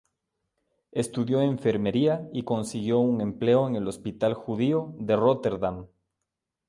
Estudió enfermería y consiguió un empleo en el Hospital Judío de Rotterdam.